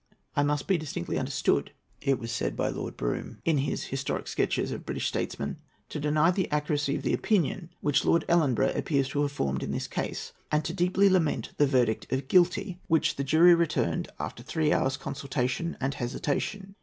"I must be here distinctly understood," it was said by Lord Brougham, in his "Historic Sketches of British Statesmen," "to deny the accuracy of the opinion which Lord Ellenborough appears to have formed in this case, and deeply to lament the verdict of 'guilty' which the jury returned after three hours' consultation and hesitation.